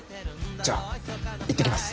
じゃあ行ってきます。